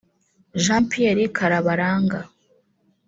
Jean Pierre Karabaranga